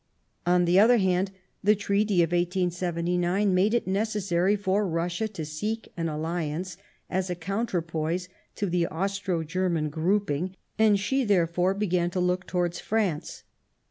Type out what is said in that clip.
On the other hand, the Treaty of 1879 made it necessary for Russia to seek an alliance as a counterpoise to the Austro German grouping ; and she therefore began to look towards France.